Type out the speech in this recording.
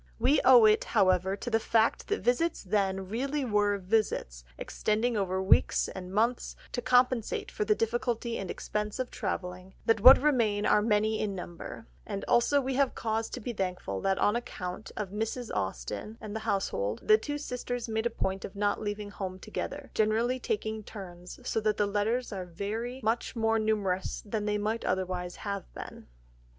We owe it, however, to the fact that visits then really were visits, extending over weeks or months, to compensate for the difficulty and expense of travelling, that what remain are many in number; and also we have cause to be thankful that on account of Mrs. Austen and the household, the two sisters made a point of not leaving home together, generally taking turns, so that the letters are very much more numerous than they might otherwise have been.